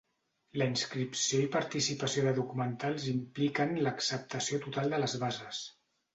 La inscripció i participació de documentals impliquen l’acceptació total de les bases.